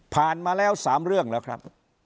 ผ่านมาแล้วสามเรื่องเลยครับ